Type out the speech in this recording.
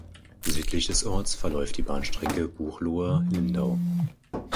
Südlich des Orts verläuft die Bahnstrecke Buchloe–Lindau.